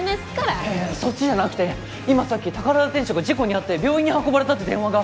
いやそっちじゃなくて今さっき宝田店長が事故に遭って病院に運ばれたって電話が。